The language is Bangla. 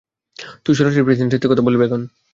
তুমি সরাসরি প্রেসিডেন্টের সাথে কথা বলবে এখন!